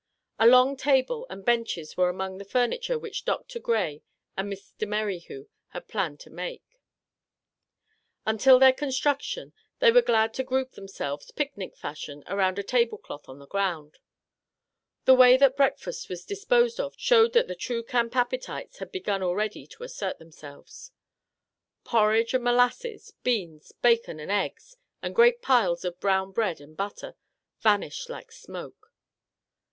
A long table and benches were among the furniture which Doctor Grey and Mr. Merrithew had planned to make ; until their construction, they were glad to group them selves, picnic fashion, around a table cloth on the ground. The way that breakfast was dis posed of showed that the true camp appetites had begun already to assert themselves. Por ridge and molasses, beans, bacon and eggs, and great piles of brown bread and butter, vanished like smoke.